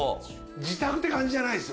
自宅って感じじゃないです。